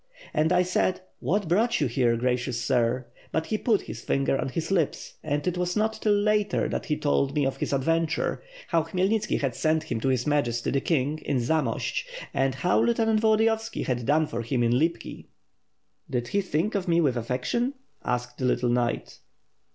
And I said, 'what brought you here, gra cious sir?' But he put his finger on his lips and it was not till later that he told me ( f his adventure; how Khmyelnitski had sent him to His Majesty the King in Zamost, and how Lieutenant Volodiyovski had done for him in Lipki." "Did he think of me with affection?" asked the little knight.